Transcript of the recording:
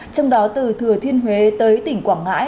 trong đó từ thừa thiên huế tới tỉnh quảng ngãi